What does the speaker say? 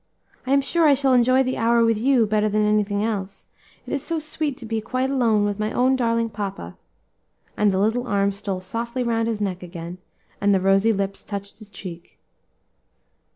I am sure I shall enjoy the hour with you better than anything else; it is so sweet to be quite alone with my own darling papa," and the little arm stole softly round his neck again, and the rosy lips touched his cheek.